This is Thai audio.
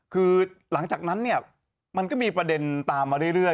คือหลังจากนั้นเนี่ยมันก็มีประเด็นตามมาเรื่อย